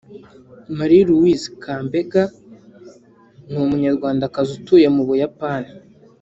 Marie Louise Kambenga ni umunyarwandakazi utuye mu Buyapani